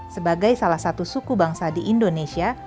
sebagai salah satu suku bangsa di indonesia